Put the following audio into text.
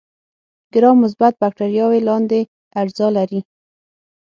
ګرام مثبت بکټریاوې لاندې اجزا لري.